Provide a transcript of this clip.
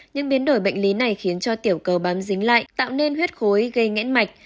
những biến đổi bệnh lý này khiến cho tiểu cầu bám dính lại tạo nên huyết khối gây ngẽn mạch